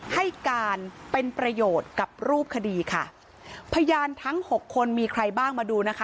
ให้การเป็นประโยชน์กับรูปคดีค่ะพยานทั้งหกคนมีใครบ้างมาดูนะคะ